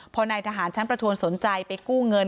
พอนายทหารชั้นประทวนสนใจไปกู้เงิน